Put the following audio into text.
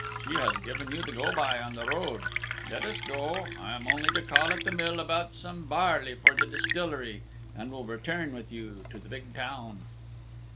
She has given you the go by on the road. Let us go; I am only to call at the mill about some barley for the distillery, and will return with you to the big town."